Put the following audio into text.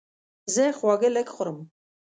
زه خواږه لږ خورم.